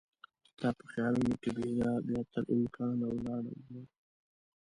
ستا په خیالونو کې بیګا بیا تر امکان ولاړ مه